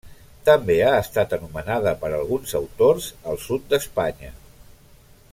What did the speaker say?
També ha estat anomenada, per alguns autors, al Sud d'Espanya.